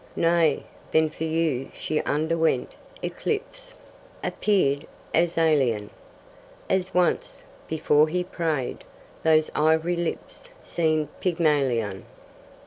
Nay, then for you she underwent eclipse, Appeared as alien As once, before he prayed, those ivory lips Seemed to Pygmalion.